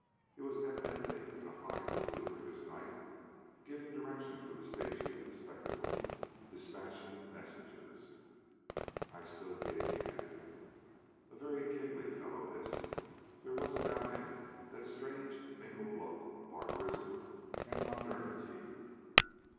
He was evidently in a high good humor this night, giving directions for the staging of the spectacle, despatching messengers. I stood gazing at him. A very kingly fellow this. There was about him, that strange mingled look of barbarism and modernity.